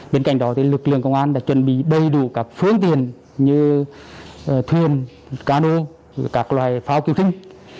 bên cạnh đó lực lượng công an đã chuẩn bị đầy đủ các phương tiền như thuyền cano các loài pháo kiểu thinh